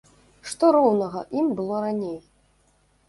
Што роўнага ім было раней?